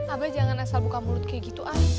abah jangan asal buka mulut kayak gitu ah